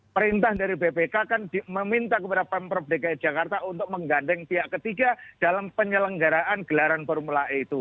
perintah dari bpk kan meminta kepada pemprov dki jakarta untuk menggandeng pihak ketiga dalam penyelenggaraan gelaran formula e itu